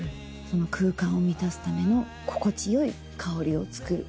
その空間を満たすための心地よい香りを作る。